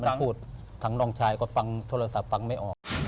ถ้าพูดทั้งน้องชายก็ฟังโทรศัพท์ฟังไม่ออก